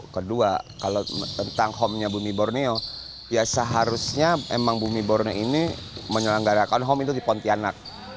kedua kalau tentang home nya bumi borneo ya seharusnya memang bumi borneo ini menyelenggarakan home itu di pontianak